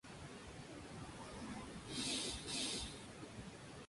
Esta cigüeña llevaba una flecha de África Central en su cuello.